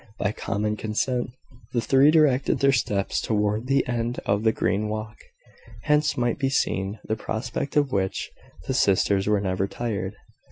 By common consent, the three directed their steps towards the end of the green walk, whence might be seen the prospect of which the sisters were never tired.